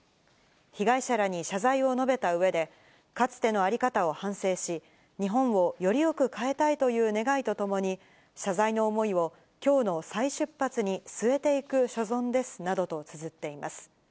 被害者らに謝罪を述べたうえで、かつての在り方を反省し、日本をよりよく変えたいという願いとともに、謝罪の思いをきょうの再出発に据えていく所存ですなどとつづっています。